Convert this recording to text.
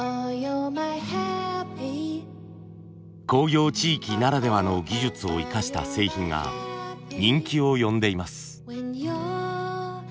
工業地域ならではの技術を生かした製品が人気を呼んでいます。